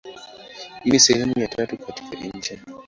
Hii ni sehemu ya tatu katika insha.